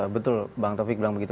betul bang taufik bilang begitu